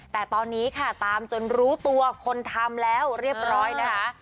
แต่ตอนนี้ค่ะตามจนรู้ตัวคนทำแล้วเรียบร้อยนะคะ